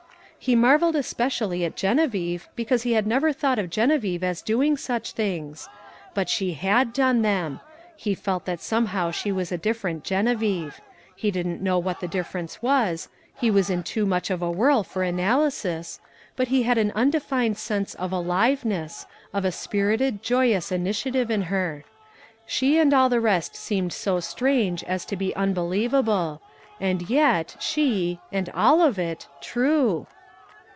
He marveled especially at Geneviève because he had never thought of Geneviève as doing such things. But she had done them he felt that somehow she was a different Geneviève: he didn't know what the difference was he was in too much of a whirl for analysis but he had an undefined sense of aliveness, of a spirited, joyous initiative in her. She and all the rest seemed so strange as to be unbelievable. And yet, she and all of it true!...